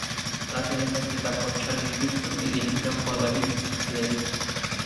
La serie fue escrita por Charlie Huston y dirigida por David Slade.